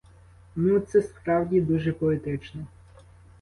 Ну, це справді дуже поетично.